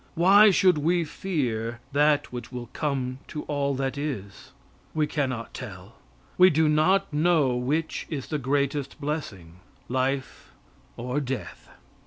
Why should we fear that which will come to all that is? We cannot tell. We do not know which is the greatest blessing, life or death.